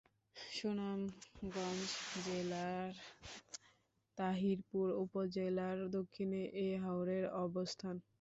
সুনামগঞ্জ জেলার তাহিরপুর উপজেলার দক্ষিণে এ হাওরের অবস্থান।